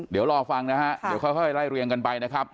เดี๋ยวรอฟังนะฮะเดี๋ยวค่อยไล่เรียงกันไปนะครับ